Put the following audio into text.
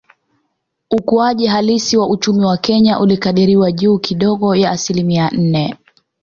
Ukuaji halisi wa uchumi wa Kenya ulikadiriwa juu kidogo ya asilimia nne